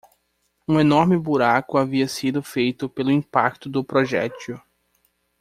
Um enorme buraco havia sido feito pelo impacto do projétil.